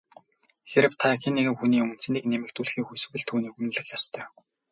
Хэрвээ та хэн нэгэн хүний үнэ цэнийг нэмэгдүүлэхийг хүсвэл түүнийг үнэлэх ёстой.